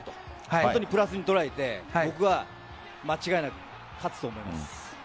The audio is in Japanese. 本当にプラスに捉えて僕は間違いなく勝つと思います。